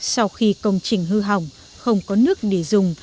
sau khi công trình hư hỏng không có nước để dùng